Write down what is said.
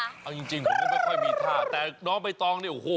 เอาจริงผมก็ไม่ค่อยมีท่าแต่น้องใบตองเนี่ยโอ้โห